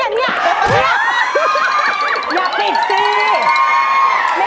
อย่าติดสิ